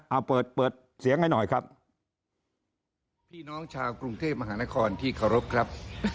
เอาเปิดเปิดเสียงให้หน่อยครับพี่น้องชาวกรุงเทพมหานครที่เคารพครับ